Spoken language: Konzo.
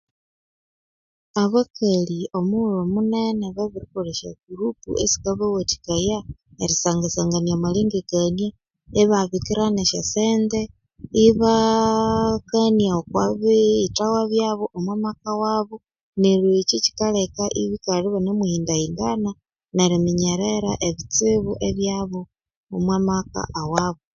Abakali omughulhu omunene babirikolha esyo gurupu esikabawathikaya erisangasangania omalengekania ibabikirana esyosente ibaaakania okwabiyithawa byomumaka wabo neri eki kyikaleka ibikalha ibanemuhindhindana neriminyerera ebitsibu omu maka awabo